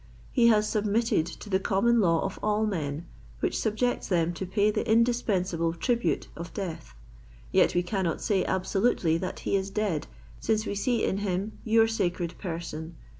He has submitted to the common law of all men, which subjects them to pay the indispensable tribute of death. Yet we cannot say absolutely that he is dead, since we see in him your sacred person.